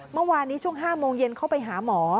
เมื่อวานนี้ช่วง๕โมงเย็นเข้าไปหาหมอ